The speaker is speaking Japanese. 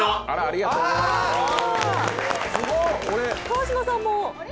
川島さんも？